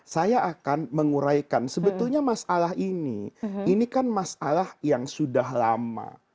saya akan menguraikan sebetulnya masalah ini ini kan masalah yang sudah lama